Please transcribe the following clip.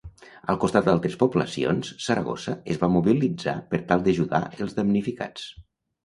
Al costat d'altres poblacions, Saragossa es va mobilitzar per tal d'ajudar els damnificats.